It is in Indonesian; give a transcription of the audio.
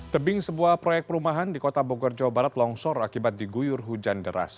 tebing sebuah proyek perumahan di kota bogor jawa barat longsor akibat diguyur hujan deras